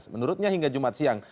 menurutnya hingga jumat siang